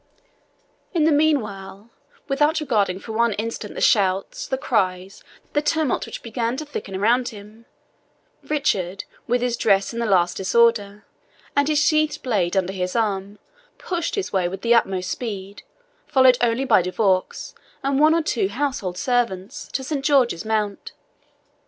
In the meanwhile, without regarding for one instant the shouts, the cries, the tumult which began to thicken around him, Richard, with his dress in the last disorder, and his sheathed blade under his arm, pursued his way with the utmost speed, followed only by De Vaux and one or two household servants, to Saint George's Mount.